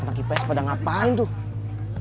wah anak ipa esimerkde ngapain tuh